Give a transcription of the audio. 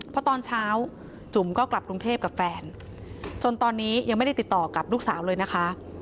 พอตอนเช้าจุ๋มก็กลับกรุงเทพกับแฟนจนตอนนี้ยังไม่ได้ติดต่อกับลูกสาวเลยนะคะ